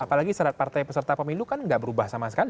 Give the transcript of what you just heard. apalagi serat partai peserta pemilu kan nggak berubah sama sekali